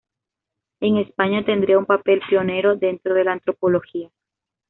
En España tendría un papel pionero dentro de la antropología.